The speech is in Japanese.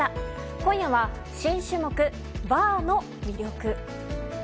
今夜は新種目、ヴァーの魅力。